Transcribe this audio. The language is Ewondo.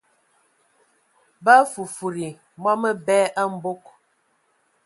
Ba fufudi mɔ məbɛ a mbog.